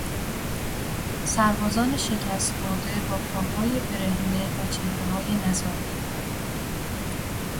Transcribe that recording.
سربازان شکست خورده با پاهای برهنه و چهرههای نزار